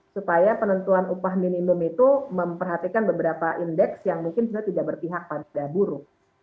supaya penentuan upah minimum itu memperhatikan beberapa indeks yang mungkin sebenarnya tidak berpihak pada buruh